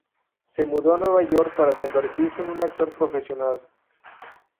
Se mudó a Nueva York para convertirse en un actor profesional.